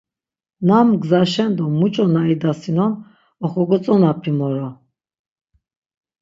Nam gzaşen do muç̌o na idasinon oxogotzonapi moro.